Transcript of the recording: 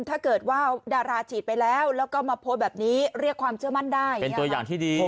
ถ้าเกิดว่าดาราฉีดไปแล้วแล้วก็มาโพสต์แบบนี้เรียกความเชื่อมั่นได้เป็นตัวอย่างที่ดี